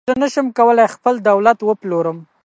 زه نشم کولای خپل دولت وپلورم.